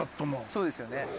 「そうですよね」